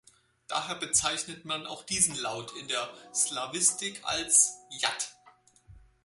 Daher bezeichnet man auch diesen Laut in der Slawistik als "Jat".